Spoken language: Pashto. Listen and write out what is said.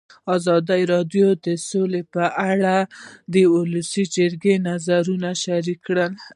ازادي راډیو د سوله په اړه د ولسي جرګې نظرونه شریک کړي.